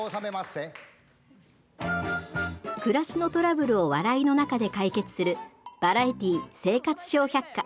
暮らしのトラブルを笑いの中で解決する「バラエティー生活笑百科」。